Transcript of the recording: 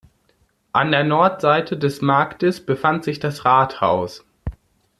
An der Nordseite des Marktes befand sich das Rathaus.